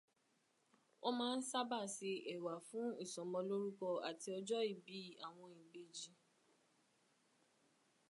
Wọn maa ń sábà se ẹ̀wà fún ìsọmọlórúkọ àti ọjọ́ ìbí àwọn ìbejì.